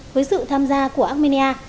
với sự tham gia của armenia